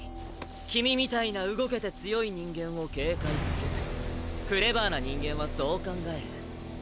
君みたいな動けて強い人間を警戒するクレバーな人間はそう考える。